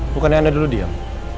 bukannya anda dulu diam